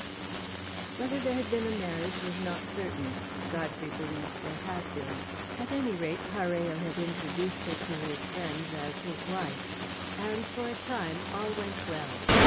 Whether there had been a marriage was not certain; Godfrey believed there had been. At any rate, Parello had introduced her to his friends as his wife, and, for a time, all went well.